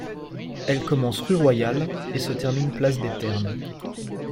Elle commence rue Royale et se termine place des Ternes.